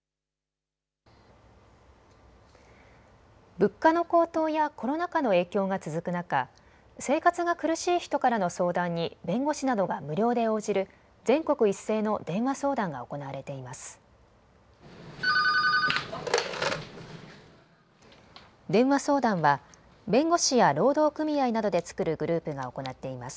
物価の高騰やコロナ禍の影響が続く中、生活が苦しい人からの相談に弁護士などが無料で応じる全国一斉の電話相談が行われています。